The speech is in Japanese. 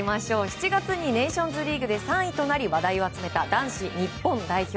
７月にネーションズリーグで３位となり話題を集めた男子日本代表。